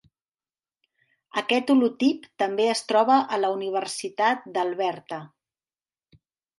Aquest holotip també es troba a la Universitat d'Alberta.